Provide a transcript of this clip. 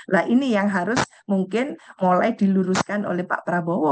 nah ini yang harus mungkin mulai diluruskan oleh pak prabowo